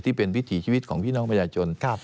ที่เป็นวิถีชีวิตของพี่น้องประญาชน